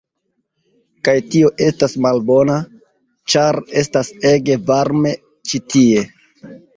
kaj tio estas malbona, ĉar estas ege varme ĉi tie